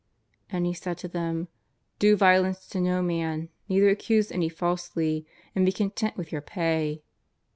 " And he said to them :" Do violence to no man, neither accuse any falsely, and be content with your pay."